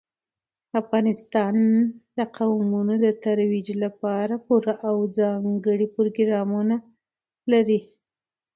افغانستان د قومونه د ترویج لپاره پوره او ځانګړي پروګرامونه لري.